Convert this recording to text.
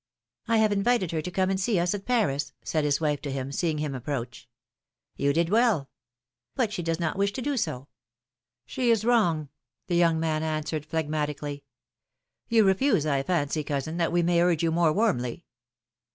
I have invited her to come and see us at Paris," said his wife to him, seeing him approach. You did well." But she does not wish to do so." '^She is wrong," the young man answered phlegmati cally. You refuse, I fancy, cousin, that we may urge you more warmly."